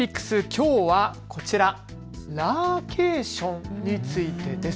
きょうはこちら、ラーケーションについてです。